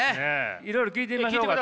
いろいろ聞いてみましょうか。